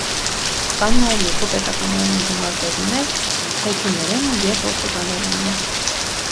Կան նաև երկու պետականորեն ընդունված լեզուներ թեթումերենը և պորտուգալերենը)։